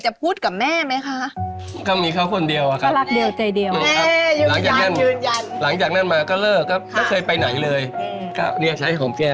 เขาก็รักผมเขาคนเดียวนี่แหละ